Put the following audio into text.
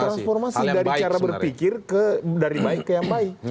transformasi dari cara berpikir dari baik ke yang baik